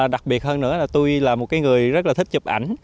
đặc biệt hơn nữa là tôi là một cái người rất là thích chụp ảnh